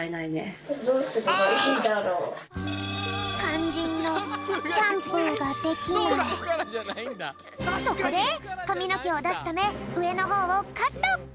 かんじんのそこでかみのけをだすためうえのほうをカット！